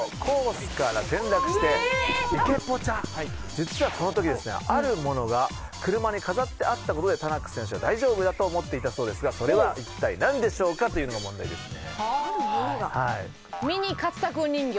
実はこの時ですねあるものが車に飾ってあった事でタナック選手は大丈夫だと思っていたそうですがそれは一体なんでしょうか？というのが問題ですね。